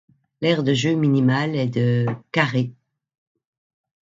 L'aire de jeu minimale est de carrés.